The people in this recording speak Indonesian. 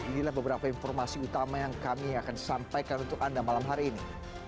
inilah beberapa informasi utama yang kami akan sampaikan untuk anda malam hari ini